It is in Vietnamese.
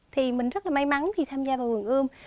thì mình rất là may mắn khi tham gia vào vườn ươm